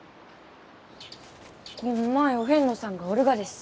こんまいお遍路さんがおるがです。